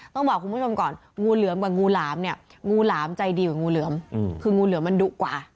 ต้องบอกคุณผู้ชมก่อนงูเหลือมกับงูหลามเนี่ยงูหลามใจดีกว่างูเหลือมคืองูเหลือมมันดุกว่า